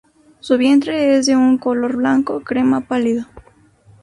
Su vientre es de un color blanco crema pálido.